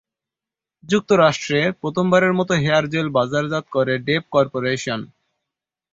যুক্তরাষ্ট্রে প্রথমবারের মতো হেয়ার জেল বাজারজাত করে ডেপ করপোরেশন।